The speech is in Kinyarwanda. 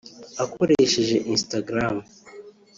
akoresheje Instagram